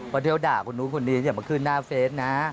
ประเทศด่าคุณนู้นคุณนี้อย่ามาขึ้นหน้าเฟซนะ